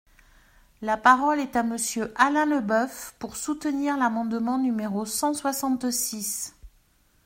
La parole est à Monsieur Alain Leboeuf, pour soutenir l’amendement numéro cent soixante-six.